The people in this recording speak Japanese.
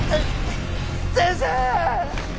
先生！